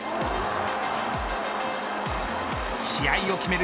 試合を決める